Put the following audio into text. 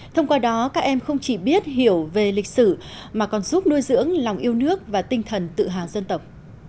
thông qua đó các em không chỉ biết hiểu về lịch sử mà còn giúp nuôi dưỡng lòng yêu nước và tinh thần tự hào dân tộc